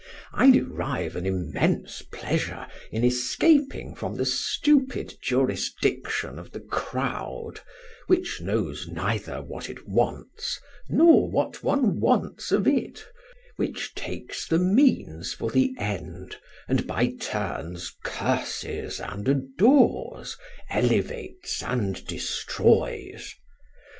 I derive an immense pleasure in escaping from the stupid jurisdiction of the crowd, which knows neither what it wants, nor what one wants of it, which takes the means for the end, and by turns curses and adores, elevates and destroys!